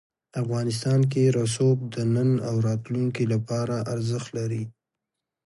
افغانستان کې رسوب د نن او راتلونکي لپاره ارزښت لري.